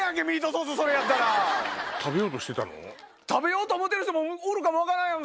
食べようと思ってる人もおるかも分からんやんか！